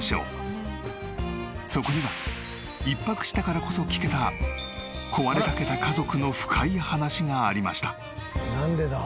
そこには１泊したからこそ聞けた壊れかけた家族の深い話がありました。